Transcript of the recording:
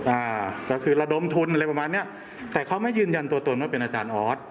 อ่าก็คือระดมทุนอะไรประมาณเนี้ยแต่เขาไม่ยืนยันตัวตนว่าเป็นอาจารย์ออส